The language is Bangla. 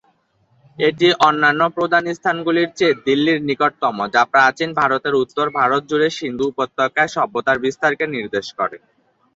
এটি অন্যান্য প্রধান স্থানগুলির চেয়ে দিল্লির নিকটতম, যা প্রাচীন ভারতের উত্তর ভারত জুড়ে সিন্ধু উপত্যকার সভ্যতার বিস্তারকে নির্দেশ করে।